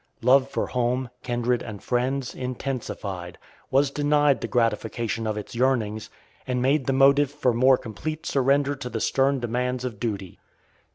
Love for home, kindred, and friends, intensified, was denied the gratification of its yearnings, and made the motive for more complete surrender to the stern demands of duty.